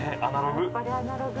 やっぱりアナログ。